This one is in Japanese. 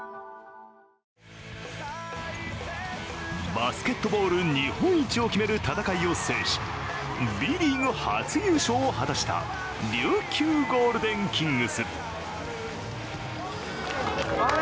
バスケットボール日本一を決める戦いを制し、Ｂリーグ初優勝を果たした琉球ゴールデンキングス。